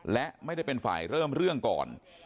และไม่ได้เป็นฝ่ายเริ่มเรื่องก่อน